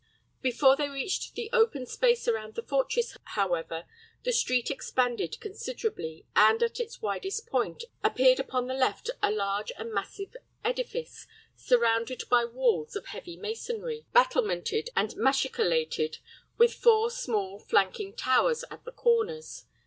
Before they reached the open space around the fortress, however, the street expanded considerably, and at its widest point, appeared upon the left a large and massive edifice, surrounded by walls of heavy masonry, battlemented and machicolated, with four small, flanking towers at the corners.